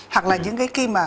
hoặc là những cái khi mà